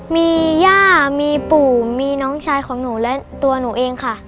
มีย่ามีปู่มีน้องชายของหนูและตัวหนูเองค่ะ